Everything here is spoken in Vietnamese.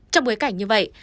trong bối cảnh như vậy